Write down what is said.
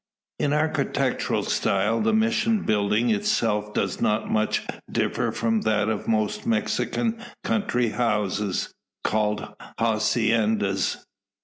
In architectural style the mission building itself does not much differ from that of most Mexican country houses called haciendas.